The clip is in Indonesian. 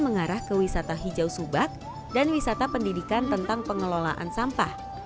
mengarah ke wisata hijau subak dan wisata pendidikan tentang pengelolaan sampah